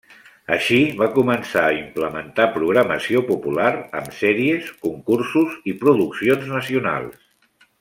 Així va començar a implementar programació popular amb sèries, concursos i produccions nacionals.